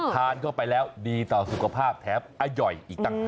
ทานเข้าไปแล้วดีต่อสุขภาพแถมอร่อยอีกต่างหาก